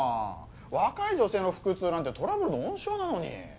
若い女性の腹痛なんてトラブルの温床なのに。